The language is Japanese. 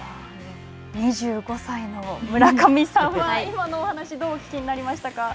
２５歳の村上さんは、今のお話をどうお聞きになりましたか。